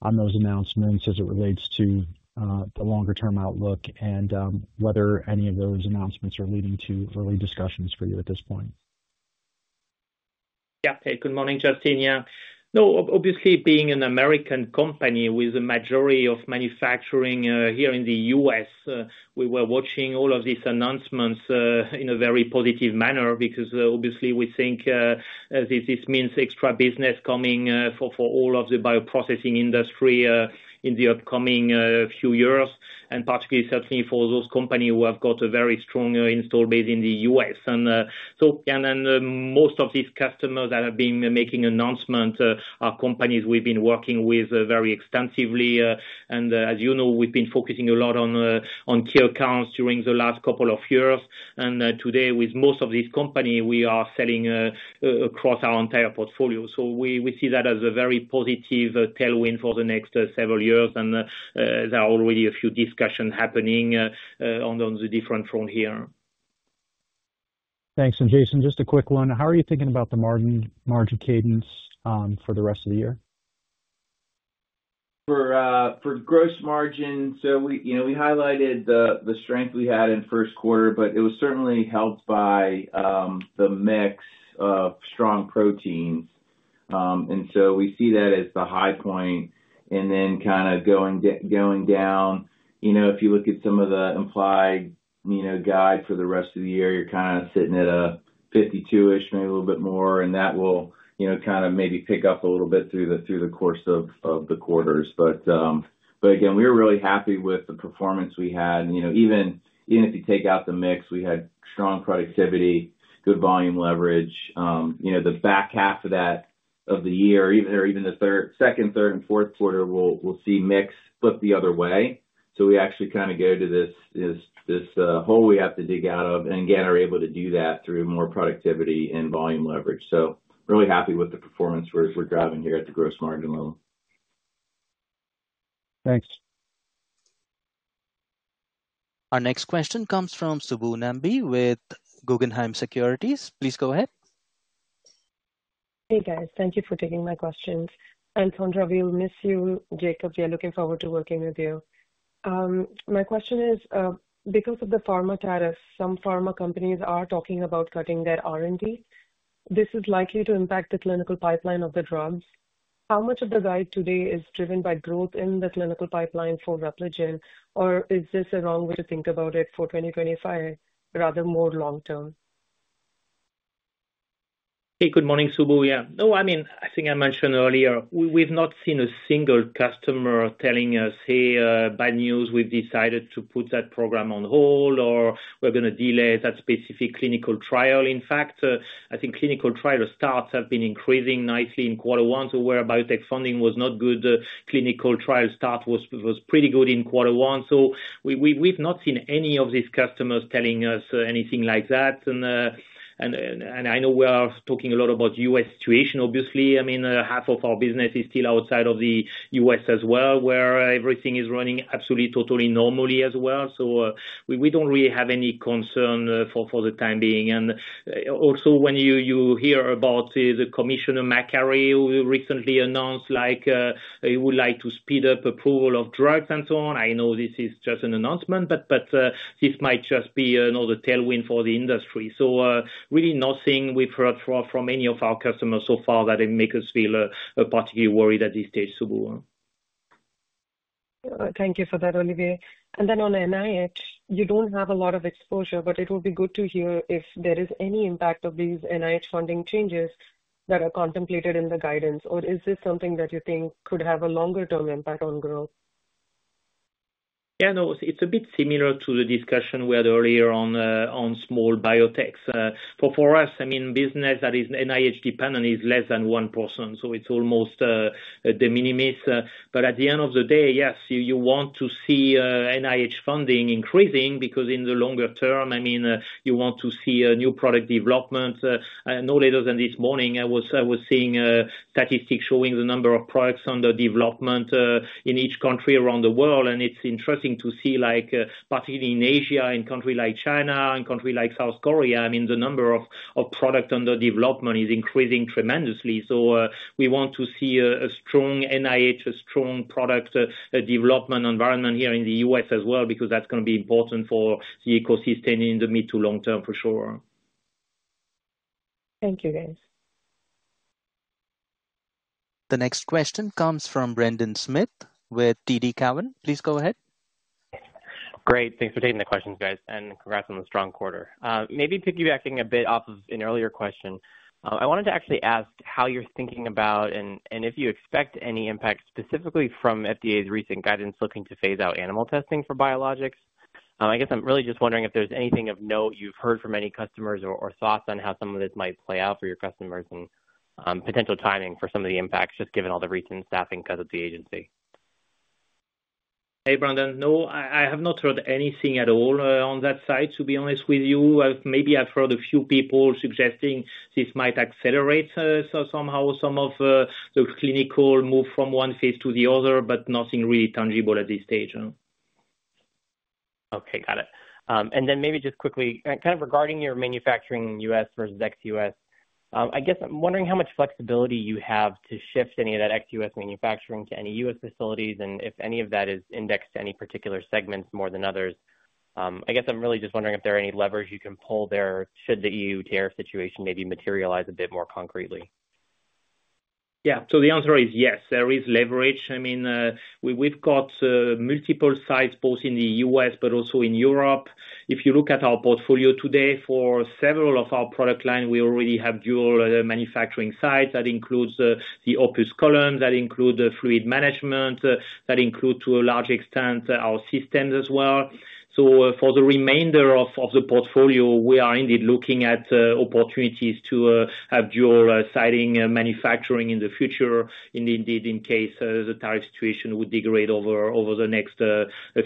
on those announcements as it relates to the longer-term outlook and whether any of those announcements are leading to early discussions for you at this point. Yeah. Hey, good morning, Justin. Yeah. No, obviously, being an American company with a majority of manufacturing here in the U.S., we were watching all of these announcements in a very positive manner because obviously, we think this means extra business coming for all of the bioprocessing industry in the upcoming few years, and particularly certainly for those companies who have got a very strong install base in the U.S. Most of these customers that have been making announcements are companies we've been working with very extensively. As you know, we've been focusing a lot on key accounts during the last couple of years. Today, with most of these companies, we are selling across our entire portfolio. We see that as a very positive tailwind for the next several years. There are already a few discussions happening on the different front here. Thanks. Jason, just a quick one. How are you thinking about the margin cadence for the rest of the year? For gross margins, we highlighted the strength we had in first quarter, but it was certainly helped by the mix of strong proteins. We see that as the high point. If you look at some of the implied guide for the rest of the year, you're kind of sitting at a 52%-ish, maybe a little bit more. That will maybe pick up a little bit through the course of the quarters. We were really happy with the performance we had. Even if you take out the mix, we had strong productivity, good volume leverage. The back half of the year, or even the second, third, and fourth quarter, we'll see mix flip the other way. We actually kind of go to this hole we have to dig out of and again, are able to do that through more productivity and volume leverage. Really happy with the performance we're driving here at the gross margin level. Thanks. Our next question comes from Subbu Nambi with Guggenheim Securities. Please go ahead. Hey, guys. Thank you for taking my questions. And Sondra, we will miss you. Jacob, we are looking forward to working with you. My question is, because of the pharma tariffs, some pharma companies are talking about cutting their R&D. This is likely to impact the clinical pipeline of the drugs. How much of the guide today is driven by growth in the clinical pipeline for Repligen, or is this the wrong way to think about it for 2025, rather more long-term? Hey, good morning, Subbu. Yeah. No, I mean, I think I mentioned earlier, we've not seen a single customer telling us, "Hey, bad news. We've decided to put that program on hold," or, "We're going to delay that specific clinical trial." In fact, I think clinical trial starts have been increasing nicely in quarter one, where biotech funding was not good, clinical trial start was pretty good in quarter one. We've not seen any of these customers telling us anything like that. I know we are talking a lot about U.S. situation, obviously. I mean, half of our business is still outside of the U.S. as well, where everything is running absolutely totally normally as well. We don't really have any concern for the time being. Also, when you hear about Commissioner McCarrey who recently announced he would like to speed up approval of drugs and so on, I know this is just an announcement, but this might just be another tailwind for the industry. Really nothing we've heard from any of our customers so far that makes us feel particularly worried at this stage, Subbu. Thank you for that, Olivier. Then on NIH, you do not have a lot of exposure, but it would be good to hear if there is any impact of these NIH funding changes that are contemplated in the guidance, or is this something that you think could have a longer-term impact on growth? Yeah, no, it is a bit similar to the discussion we had earlier on small biotechs. For us, I mean, business that is NIH-dependent is less than 1%. It is almost de minimis. At the end of the day, yes, you want to see NIH funding increasing because in the longer term, I mean, you want to see new product development. No less than this morning, I was seeing statistics showing the number of products under development in each country around the world. It is interesting to see, particularly in Asia, in countries like China and countries like South Korea, I mean, the number of products under development is increasing tremendously. We want to see a strong NIH, a strong product development environment here in the U.S. as well because that is going to be important for the ecosystem in the mid to long term for sure. Thank you, guys. The next question comes from Brendan Smith with TD Cowen. Please go ahead. Great. Thanks for taking the questions, guys. And congrats on the strong quarter. Maybe piggybacking a bit off of an earlier question, I wanted to actually ask how you're thinking about and if you expect any impact specifically from FDA's recent guidance looking to phase out animal testing for biologics. I guess I'm really just wondering if there's anything of note you've heard from any customers or thoughts on how some of this might play out for your customers and potential timing for some of the impacts, just given all the recent staffing cuts at the agency. Hey, Brandon. No, I have not heard anything at all on that side, to be honest with you. Maybe I've heard a few people suggesting this might accelerate somehow some of the clinical move from one phase to the other, but nothing really tangible at this stage. Okay. Got it. Maybe just quickly, kind of regarding your manufacturing in the U.S. versus ex-U.S., I guess I'm wondering how much flexibility you have to shift any of that ex-U.S. manufacturing to any U.S. facilities, and if any of that is indexed to any particular segments more than others. I guess I'm really just wondering if there are any levers you can pull there should the EU tariff situation maybe materialize a bit more concretely. Yeah. The answer is yes. There is leverage. I mean, we've got multiple sites both in the U.S. but also in Europe. If you look at our portfolio today for several of our product lines, we already have dual manufacturing sites. That includes the OPUS Columns. That includes fluid management. That includes, to a large extent, our systems as well. For the remainder of the portfolio, we are indeed looking at opportunities to have dual-siding manufacturing in the future, indeed, in case the tariff situation would degrade over the next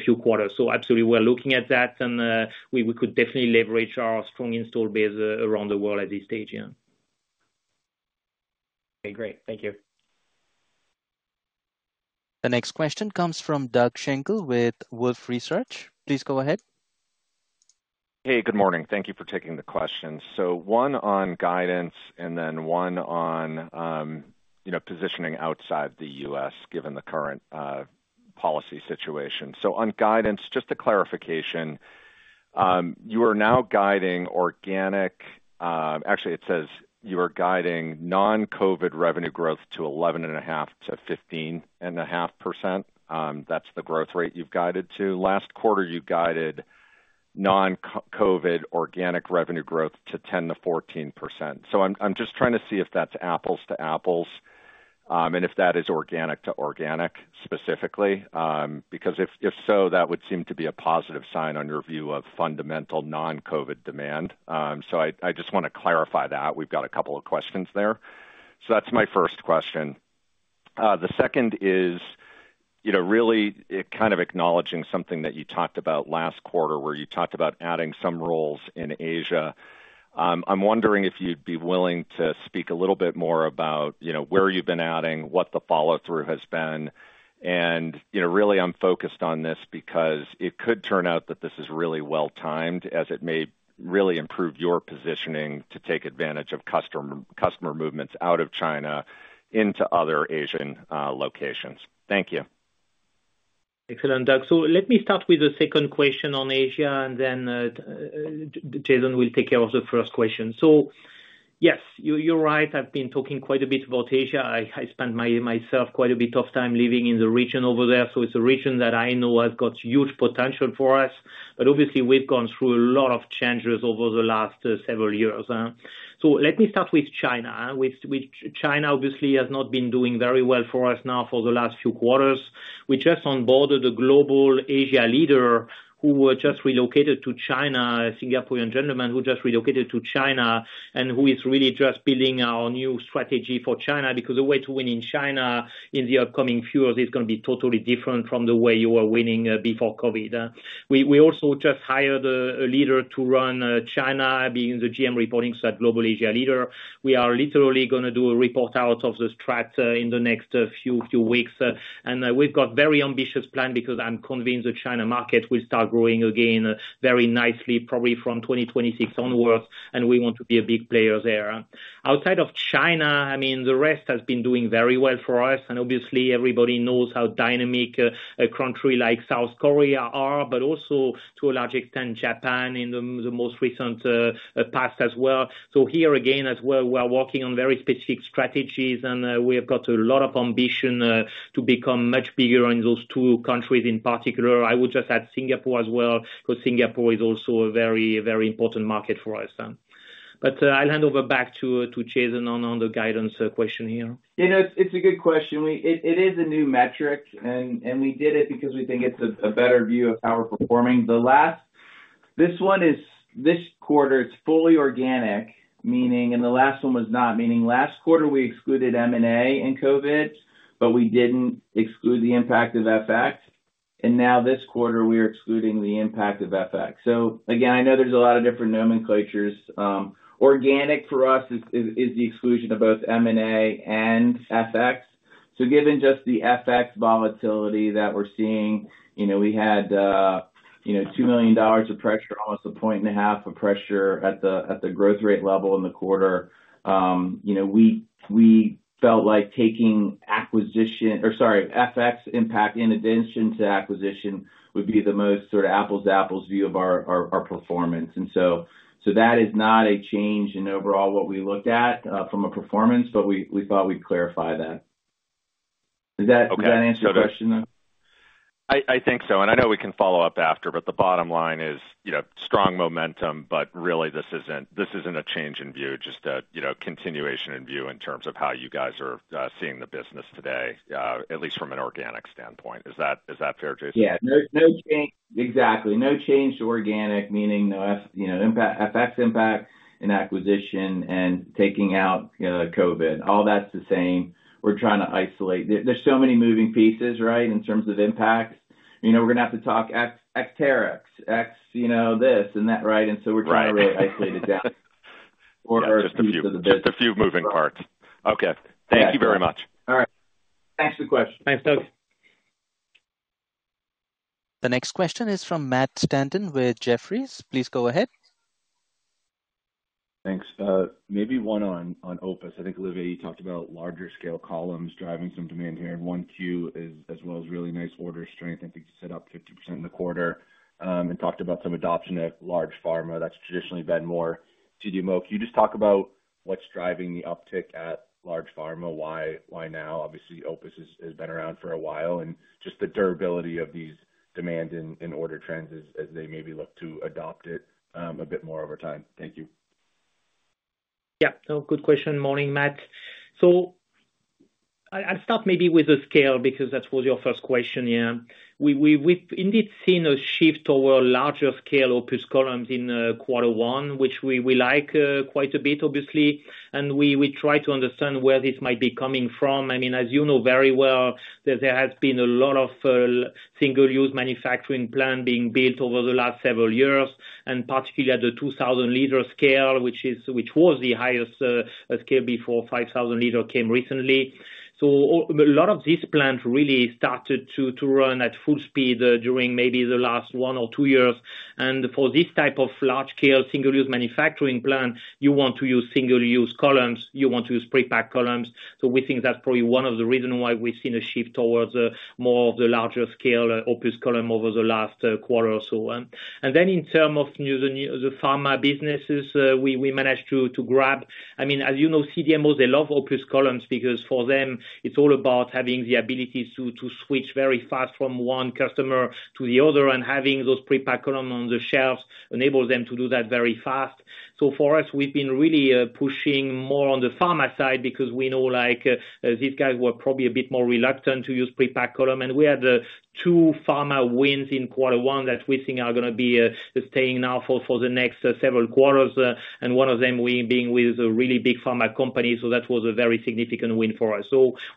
few quarters. Absolutely, we're looking at that, and we could definitely leverage our strong install base around the world at this stage. Yeah. Okay. Great. Thank you. The next question comes from Doug Shankle with Wolfe Research. Please go ahead. Hey, good morning. Thank you for taking the question. One on guidance and then one on positioning outside the U.S., given the current policy situation. On guidance, just a clarification, you are now guiding organic—actually, it says you are guiding non-COVID revenue growth to 11.5%-15.5%. That's the growth rate you've guided to. Last quarter, you guided non-COVID organic revenue growth to 10%-14%. I'm just trying to see if that's apples to apples and if that is organic to organic specifically, because if so, that would seem to be a positive sign on your view of fundamental non-COVID demand. I just want to clarify that. We've got a couple of questions there. That's my first question. The second is really kind of acknowledging something that you talked about last quarter, where you talked about adding some roles in Asia. I'm wondering if you'd be willing to speak a little bit more about where you've been adding, what the follow-through has been. Really, I'm focused on this because it could turn out that this is really well-timed, as it may really improve your positioning to take advantage of customer movements out of China into other Asian locations. Thank you. Excellent, Doug. Let me start with the second question on Asia, and then Jason will take care of the first question. Yes, you're right. I've been talking quite a bit about Asia. I spent myself quite a bit of time living in the region over there. It's a region that I know has got huge potential for us. Obviously, we've gone through a lot of changes over the last several years. Let me start with China. China obviously has not been doing very well for us now for the last few quarters. We just onboarded a global Asia leader who just relocated to China, a Singaporean gentleman who just relocated to China and who is really just building our new strategy for China because the way to win in China in the upcoming few years is going to be totally different from the way you were winning before COVID. We also just hired a leader to run China, being the GM reporting to that global Asia leader. We are literally going to do a report out of the strat in the next few weeks. We have got a very ambitious plan because I am convinced the China market will start growing again very nicely, probably from 2026 onwards, and we want to be a big player there. Outside of China, I mean, the rest has been doing very well for us. Obviously, everybody knows how dynamic a country like South Korea is, but also, to a large extent, Japan in the most recent past as well. Here again as well, we are working on very specific strategies, and we have got a lot of ambition to become much bigger in those two countries in particular. I would just add Singapore as well because Singapore is also a very, very important market for us. I'll hand over back to Jason on the guidance question here. It's a good question. It is a new metric, and we did it because we think it's a better view of how we're performing. This quarter, it's fully organic, meaning and the last one was not, meaning last quarter, we excluded M&A and COVID, but we didn't exclude the impact of FX. Now this quarter, we are excluding the impact of FX. Again, I know there's a lot of different nomenclatures. Organic for us is the exclusion of both M&A and FX. Given just the FX volatility that we're seeing, we had $2 million of pressure, almost a point and a half of pressure at the growth rate level in the quarter. We felt like taking FX impact in addition to acquisition would be the most sort of apples to apples view of our performance. That is not a change in overall what we looked at from a performance, but we thought we'd clarify that. Does that answer your question, though? I think so. I know we can follow up after, but the bottom line is strong momentum, but really, this is not a change in view, just a continuation in view in terms of how you guys are seeing the business today, at least from an organic standpoint. Is that fair, Jason? Yeah. Exactly. No change to organic, meaning no FX impact in acquisition and taking out COVID. All that is the same. We are trying to isolate. There are so many moving pieces, right, in terms of impact. We are going to have to talk ex-tariffs, ex this, and that, right? We are trying to really isolate it down. Just a few. Just a few moving parts. Okay. Thank you very much. All right. Thanks for the question. Thanks, Doug. The next question is from Matt Stanton with Jefferies. Please go ahead. Thanks. Maybe one on OPUS. I think Olivier talked about larger scale columns driving some demand here. 1Q as well as really nice order strength. I think you said up 50% in the quarter and talked about some adoption at large pharma. That's traditionally been more to do more. Can you just talk about what's driving the uptick at large pharma? Why now? Obviously, OPUS has been around for a while and just the durability of these demand and order trends as they maybe look to adopt it a bit more over time. Thank you. Yeah. No, good question. Morning, Matt. I will start maybe with the scale because that was your first question here. We've indeed seen a shift over larger scale OPUS columns in quarter one, which we like quite a bit, obviously. We try to understand where this might be coming from. I mean, as you know very well, there has been a lot of single-use manufacturing plant being built over the last several years, and particularly at the 2,000 L scale, which was the highest scale before 5,000 L came recently. A lot of these plants really started to run at full speed during maybe the last one or two years. For this type of large scale single-use manufacturing plant, you want to use single-use columns. You want to use prepack columns. We think that's probably one of the reasons why we've seen a shift towards more of the larger scale OPUS column over the last quarter or so. In terms of the pharma businesses, we managed to grab, I mean, as you know, CDMOs, they love OPUS columns because for them, it is all about having the ability to switch very fast from one customer to the other, and having those pre-packed columns on the shelves enables them to do that very fast. For us, we have been really pushing more on the pharma side because we know these guys were probably a bit more reluctant to use pre-packed columns. We had two pharma wins in quarter one that we think are going to be staying now for the next several quarters, one of them being with a really big pharma company. That was a very significant win for us.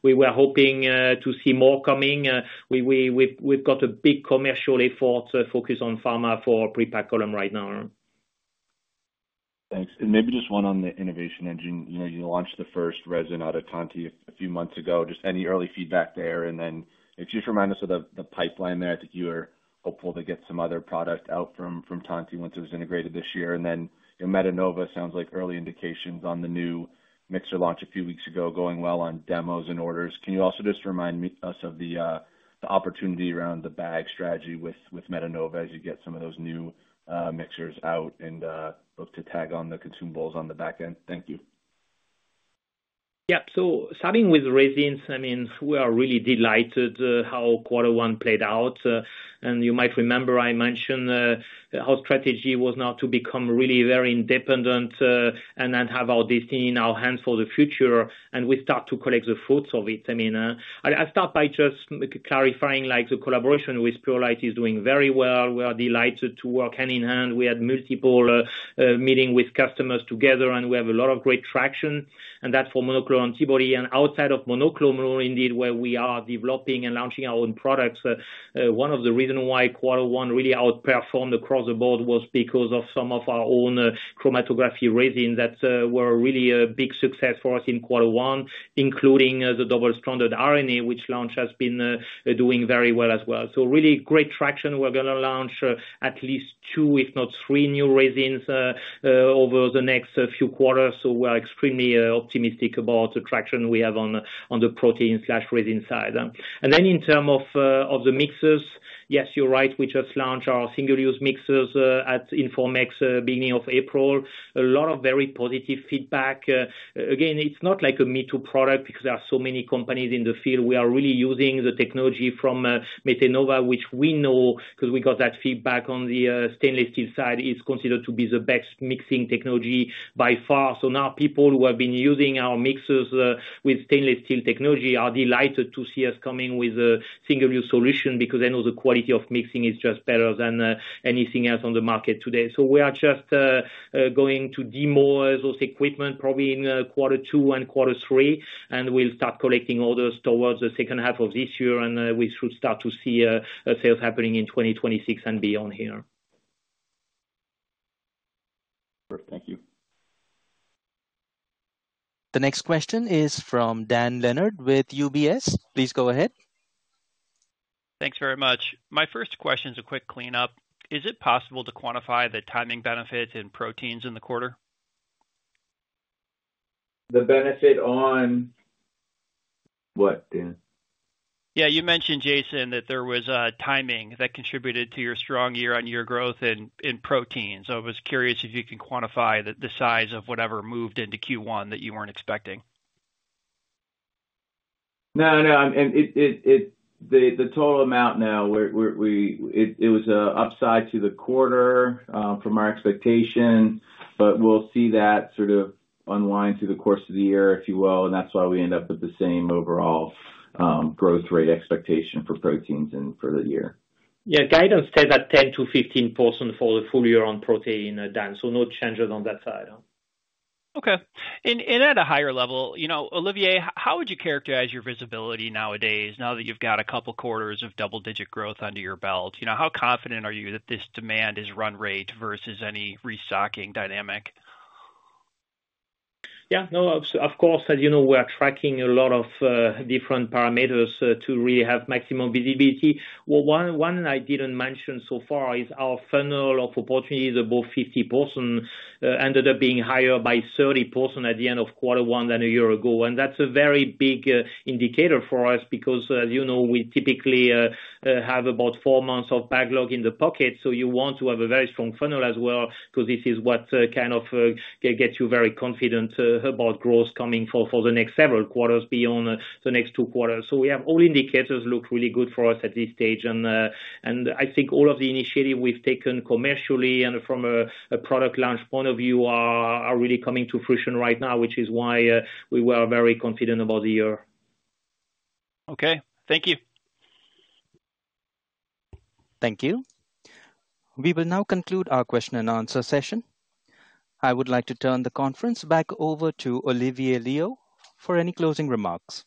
We are hoping to see more coming. We have got a big commercial effort focused on pharma for pre-packed columns right now. Thanks. Maybe just one on the innovation engine. You launched the first resin out of Tantti a few months ago. Just any early feedback there? If you just remind us of the pipeline there, I think you were hopeful to get some other product out from Tantti once it was integrated this year. Metenova, sounds like early indications on the new mixer launch a few weeks ago, going well on demos and orders. Can you also just remind us of the opportunity around the bag strategy with Metenova as you get some of those new mixers out and look to tag on the consumables on the back end? Thank you. Yeah. Starting with resins, I mean, we are really delighted how quarter one played out. You might remember I mentioned how strategy was now to become really very independent and have our destiny in our hands for the future, and we start to collect the fruits of it. I mean, I'll start by just clarifying the collaboration with Purolite is doing very well. We are delighted to work hand in hand. We had multiple meetings with customers together, and we have a lot of great traction. That for monoclonal antibody and outside of monoclonal, indeed, where we are developing and launching our own products. One of the reasons why quarter one really outperformed across the board was because of some of our own chromatography resins that were really a big success for us in quarter one, including the double-stranded RNA, which launch has been doing very well as well. Really great traction. We're going to launch at least two, if not three, new resins over the next few quarters. We are extremely optimistic about the traction we have on the protein/resin side. In terms of the mixers, yes, you're right. We just launched our single-use mixers at Informex beginning of April. A lot of very positive feedback. Again, it's not like a me-too product because there are so many companies in the field. We are really using the technology from Metenova, which we know because we got that feedback on the stainless steel side. It's considered to be the best mixing technology by far. Now people who have been using our mixers with stainless steel technology are delighted to see us coming with a single-use solution because they know the quality of mixing is just better than anything else on the market today. We are just going to demo those equipment probably in quarter two and quarter three, and we'll start collecting orders towards the second half of this year, and we should start to see sales happening in 2026 and beyond here. Perfect. Thank you. The next question is from Dan Leonard with UBS. Please go ahead. Thanks very much. My first question is a quick cleanup. Is it possible to quantify the timing benefits in proteins in the quarter? The benefit on what, Dan? Yeah. You mentioned, Jason, that there was timing that contributed to your strong year-on-year growth in protein. So I was curious if you can quantify the size of whatever moved into Q1 that you weren't expecting. No, no. The total amount now, it was upside to the quarter from our expectation, but we will see that sort of unwind through the course of the year, if you will. That is why we end up with the same overall growth rate expectation for proteins and for the year. Yeah. Guidance says that 10%-15% for the full year on protein, Dan. No changes on that side. Okay. At a higher level, Olivier, how would you characterize your visibility nowadays, now that you have got a couple of quarters of double-digit growth under your belt? How confident are you that this demand is run rate versus any restocking dynamic? Yeah. No, of course, as you know, we are tracking a lot of different parameters to really have maximum visibility. One I did not mention so far is our funnel of opportunities above 50% ended up being higher by 30% at the end of quarter one than a year ago. That is a very big indicator for us because, as you know, we typically have about four months of backlog in the pocket. You want to have a very strong funnel as well because this is what kind of gets you very confident about growth coming for the next several quarters beyond the next two quarters. We have all indicators look really good for us at this stage. I think all of the initiatives we have taken commercially and from a product launch point of view are really coming to fruition right now, which is why we were very confident about the year. Thank you. Thank you. We will now conclude our question and answer session. I would like to turn the conference back over to Olivier Loeillot for any closing remarks.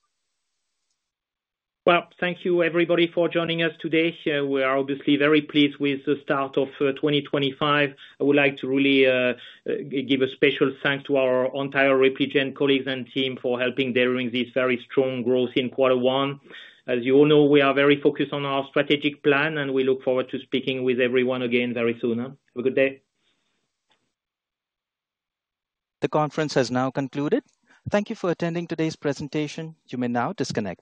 Thank you, everybody, for joining us today. We are obviously very pleased with the start of 2025. I would like to really give a special thanks to our entire Repligen colleagues and team for helping delivering this very strong growth in quarter one. As you all know, we are very focused on our strategic plan, and we look forward to speaking with everyone again very soon. Have a good day. The conference has now concluded. Thank you for attending today's presentation. You may now disconnect.